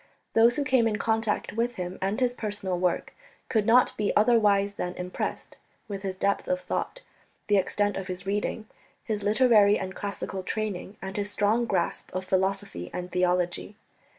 Those who came in contact with him and his personal work could not be otherwise than impressed with his depth of thought, the extent of his reading, his literary and classical training, and his strong grasp of philosophy and theology.